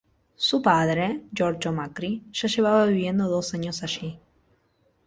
Su padre, Giorgio Macri, ya llevaba viviendo dos años allí.